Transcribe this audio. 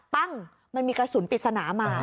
ปั้งมันมีกระสุนปริศนามา